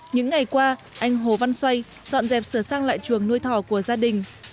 những ngày qua anh hồ văn xoay dọn dẹp sửa sang lại chuồng nuôi thỏ của gia đình